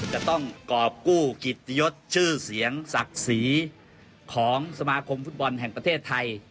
จะต้องกรอบกู้กิตยศชื่อเสียงศักดิ์ศรีของสมาคมฟุตบอลแห่งประเทศไทย